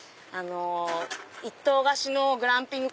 １棟貸しのグランピング